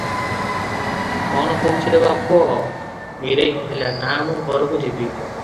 କଣ କହୁଛୁ ରେ ବାପ?" ବୀରେଇ କହିଲା, " ନା ମୁଁ ଘରକୁ ଯିବି ।"